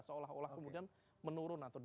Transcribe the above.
seolah olah kemudian menurun atau